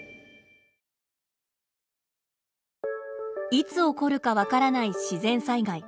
いつ起こるか分からない自然災害。